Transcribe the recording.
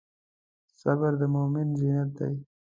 صبر د مؤمن زینت دی.